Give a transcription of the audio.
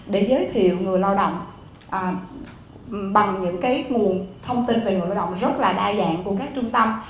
để giới thiệu người lao động bằng những nguồn thông tin về người lao động rất là đa dạng của các trung tâm